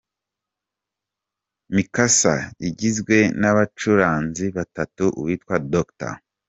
Mi Casa igizwe n’abacuranzi batatu uwitwa Dr.